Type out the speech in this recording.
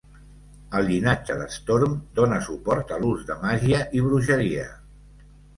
El llinatge de Storm dona suport a l'ús de màgia i bruixeria.